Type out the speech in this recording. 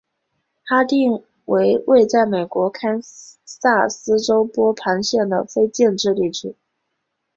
哈定为位在美国堪萨斯州波旁县的非建制地区。